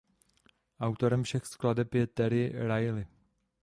Autorem všech skladeb je Terry Riley.